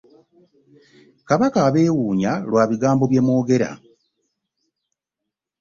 Kabaka abeewuunya lwa bigambo bye mwogera.